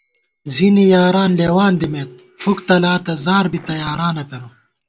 زِنی یاران لېوان دِمېت فُک تلاتہ زار بِتہ یارانہ پېنہ